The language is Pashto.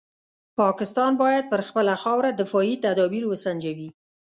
پاکستان باید پر خپله خاوره دفاعي تدابیر وسنجوي.